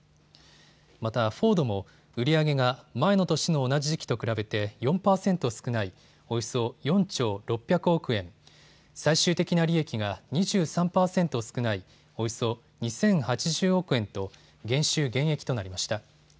また、フォードも売り上げが前の年の同じ時期と比べて４％少ないおよそ４兆６００億円、最終的な利益が２３％少ないおよそ２０８０億円と減収減益となりました。